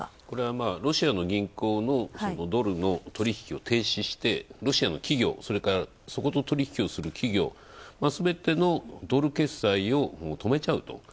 これはロシアの銀行のドルの取引を停止して、ロシアの企業、それから、そこと取引する企業すべてのドル決済を止めちゃうと。